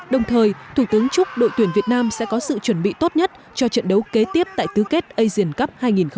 đồng thời thủ tướng chúc đội tuyển việt nam sẽ có sự chuẩn bị tốt nhất cho trận đấu kế tiếp tại tứ kết asian cup hai nghìn một mươi chín